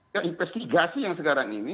ya investigasi yang sekarang ini